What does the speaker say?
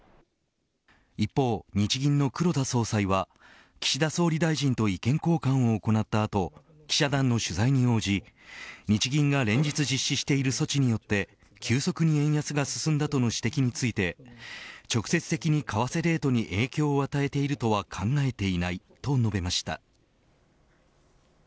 一方、日銀の黒田総裁は岸田総理大臣と意見交換を行った後記者団の取材に応じ日銀が連日実施している措置によって急速に円安が進んだとの指摘について直接的に為替レートに影響を与えているとは考えていないと述べました。